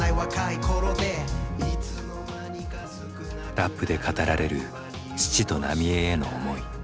ラップで語られる父と浪江への思い。